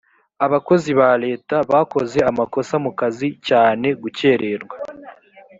abakozi ba leta bakoze amakosa mu kazi cyane gukererwa